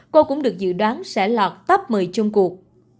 cô cũng được dự đoán sẽ lọt top một mươi chung cuộc